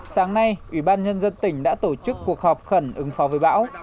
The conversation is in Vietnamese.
sáng nay ủy ban nhân dân tỉnh đã tổ chức cuộc họp khẩn ứng phó với bão